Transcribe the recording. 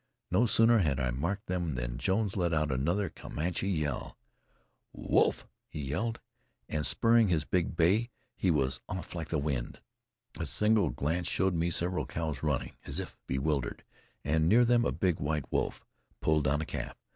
No sooner had I marked them than Jones let out another Comanche yell. "Wolf!" he yelled; and spurring his big bay, he was off like the wind. A single glance showed me several cows running as if bewildered, and near them a big white wolf pulling down a calf.